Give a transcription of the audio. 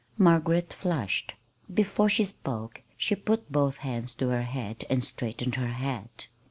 Margaret flushed. Before she spoke she put both hands to her head and straightened her hat.